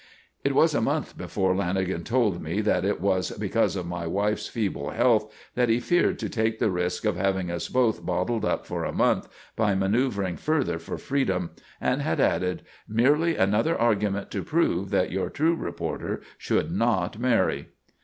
It was months before Lanagan told me that it was because of my wife's feeble health that he feared to take the risk of having us both bottled up for a month, by manoeuvring further for freedom; and had added: "Merely another argument to prove that your true reporter should not marry."